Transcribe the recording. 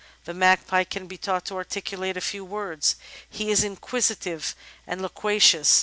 The Magpie can be taught to articulate a few words; he is inquisitive and loquacious.